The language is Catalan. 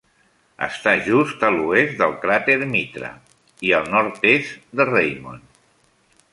Està just a l'oest del cràter Mitra, i al nord-est de Raimond.